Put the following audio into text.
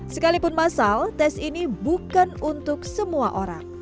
sekalipun masal tes ini bukan untuk semua orang